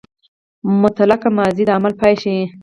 مطلقه ماضي د عمل پای ښيي.